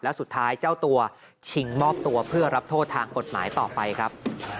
และสุดท้ายเจ้าตัวชิงมอบตัวเพื่อรับโทษทางกฎหมายต่อไปครับ